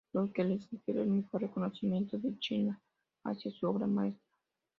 Lo que le inspiró el mejor reconocimiento de China hacia su obra maestra.